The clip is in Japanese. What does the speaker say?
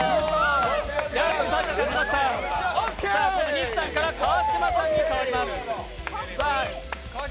西さんから川島さんに変わります。